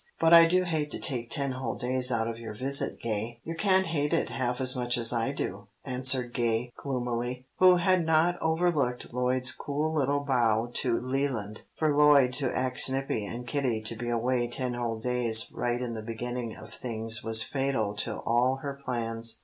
But I do hate to take ten whole days out of your visit, Gay." "You can't hate it half as much as I do," answered Gay gloomily, who had not overlooked Lloyd's cool little bow to Leland. For Lloyd to act snippy and Kitty to be away ten whole days right in the beginning of things was fatal to all her plans.